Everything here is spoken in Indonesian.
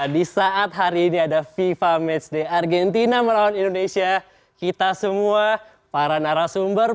di saat hari ini ada fifa matchday argentina merawat indonesia kita semua para narasumber